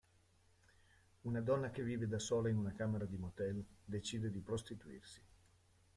Una donna che vive da sola in una camera di motel, decide di prostituirsi.